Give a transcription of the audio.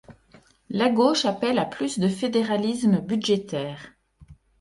La gauche appelle à plus de fédéralisme budgétaire.